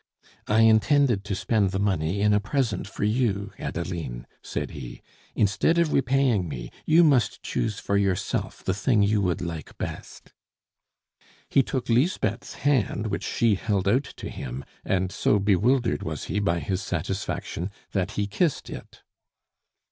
"I intended to spend the money in a present for you, Adeline," said he. "Instead of repaying me, you must choose for yourself the thing you would like best." He took Lisbeth's hand, which she held out to him, and so bewildered was he by his satisfaction, that he kissed it.